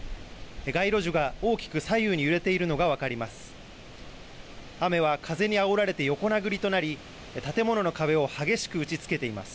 街路樹が大きく左右に揺れているのが分かります。